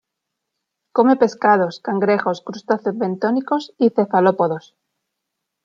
Come pescados, cangrejos, crustáceos bentónicos y cefalópodos.